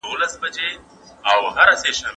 ژبه د خلکو ترمنځ اړيکه ده.